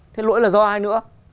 thế lỗi là do ai nữa